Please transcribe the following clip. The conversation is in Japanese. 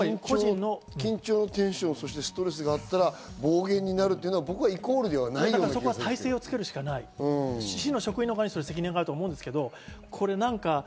緊張のテンション、ストレスがあったら暴言になるというのはそこは体制を作るしかない、市の側に責任があると思うんですけど。